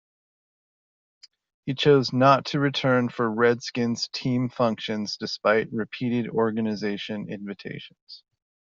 He chose not to return for Redskins team functions, despite repeated organization invitations.